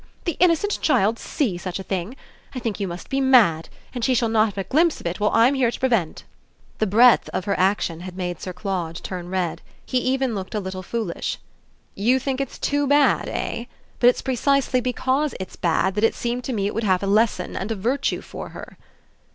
the innocent child SEE such a thing? I think you must be mad, and she shall not have a glimpse of it while I'm here to prevent!" The breadth of her action had made Sir Claude turn red he even looked a little foolish. "You think it's too bad, eh? But it's precisely because it's bad that it seemed to me it would have a lesson and a virtue for her."